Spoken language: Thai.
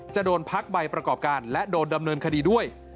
จะโดนพักใบประกอบการและโดนดำเนินคดีด้วย